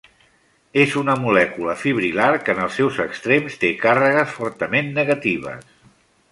És una molècula fibril·lar que en els seus extrems té càrregues fortament negatives.